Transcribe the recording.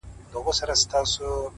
• او د خپل زړه په تصور كي مي؛